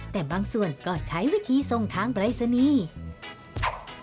แต่บางส่วนก็ใช้วิธีส่งทางปรายศนีย์